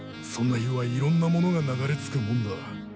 そんな日はいろんなものが流れ着くもんだ。